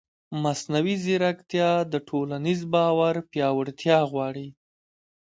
مصنوعي ځیرکتیا د ټولنیز باور پیاوړتیا غواړي.